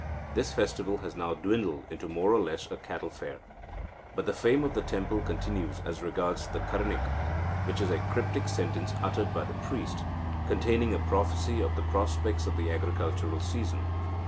This festival has now dwindled into more or less a cattle fair. But the fame of the temple continues as regards the Karanika, which is a cryptic sentence uttered by the priest, containing a prophecy of the prospects of the agricultural season.